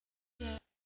ini udah keliatan